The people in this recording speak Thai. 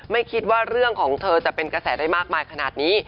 ไม่คิดว่าเรื่องของเธอจะเป็นกระแสได้มากมายขนาดนี้